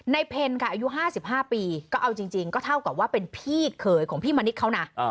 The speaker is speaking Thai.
เพ็ญค่ะอายุ๕๕ปีก็เอาจริงก็เท่ากับว่าเป็นพี่เคยของพี่มณิษฐ์เขานะ